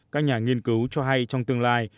các nhà nghiên cứu cho hay trong tương lai